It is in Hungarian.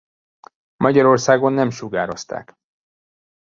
Magyarországon nem sugározták.